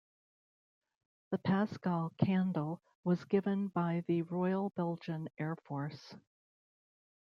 The Paschal Candle was given by the Royal Belgian Air Force.